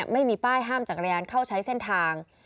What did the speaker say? ไม่มีป้ายห้ามจักรยานเข้าใช้เส้นทาง